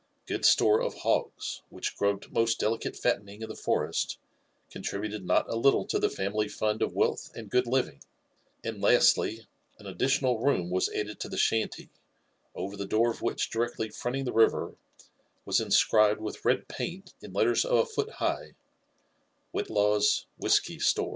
Good atore of bog9, which grubbed nftost delicate fattening in the forest, con ^ t^lbuted not a little to the family fund of wealth and good living ; and lastly, an additional room was added to the shanty, over the door of wbfch dIrecllY fronting the river, was inscribed with red paint inlettera of ft fool bigh« WBFnuw's Wbbky Stom.